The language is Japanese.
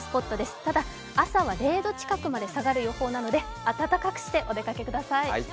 ただ、朝は０度近くまで下がる予報なので暖かくしてお出かけください。